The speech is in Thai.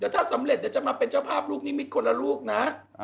แต่ถ้าสำเร็จจะมาเป็นช่วงภาพลูกนี้มีคนละลูกนะ